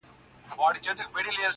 د خان د کوره خو پخه نۀ راځي ,